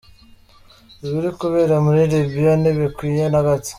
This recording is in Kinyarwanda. Ibiri kubera muri Libya ntibikwiye na gato.